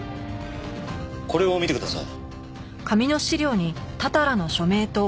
これを見てください。